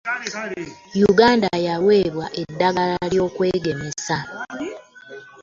uganda yaweebwa eddagala ly'okwegemesa.